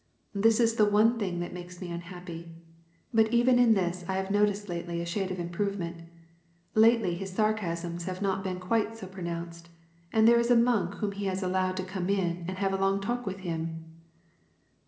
This is the one thing that makes me unhappy. But even in this I have noticed lately a shade of improvement. Lately his sarcasms have not been ({uite so pronounced, and there is a monk whom he allowed to come in and have a long talk with him."